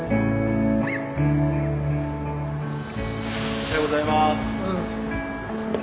おはようございます。